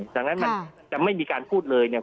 ดังนั้นมันจะไม่มีการพูดเลยเนี่ย